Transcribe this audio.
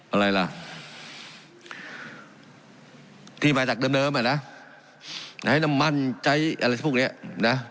อะไรล่ะที่มาจากเดิมอ่ะนะให้น้ำมันใช้อะไรพวกเนี้ยนะ